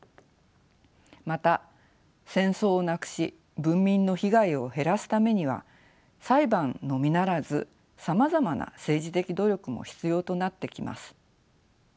また戦争をなくし文民の被害を減らすためには裁判のみならずさまざまな政治的努力も必要となってきます。